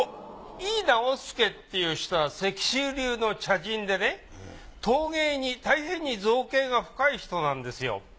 井伊直弼っていう人は石州流の茶人でね陶芸にたいへんに造詣が深い人なんですよ。